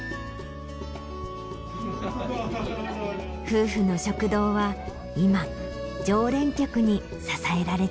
夫婦の食堂は今常連客に支えられています。